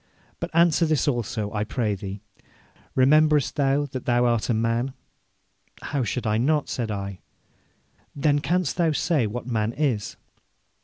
But answer this also, I pray thee: rememberest thou that thou art a man?' 'How should I not?' said I. 'Then, canst thou say what man is?'